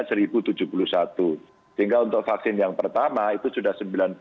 sehingga untuk vaksin yang pertama itu sudah sembilan puluh sembilan